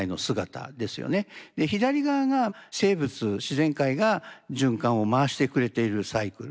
左側が生物自然界が循環を回してくれているサイクル。